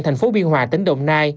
thành phố biên hòa tỉnh đồng nai